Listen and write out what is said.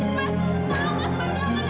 mas bantu aku nangis